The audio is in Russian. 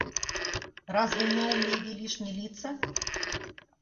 Разве молнии велишь не литься?